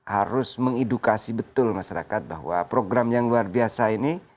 harus mengedukasi betul masyarakat bahwa program yang luar biasa ini